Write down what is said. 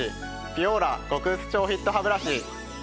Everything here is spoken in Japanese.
ピュオーラ極薄超フィットハブラシ。